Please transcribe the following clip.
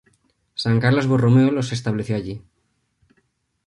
San Carlos Borromeo los estableció allí.